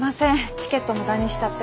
チケット無駄にしちゃって。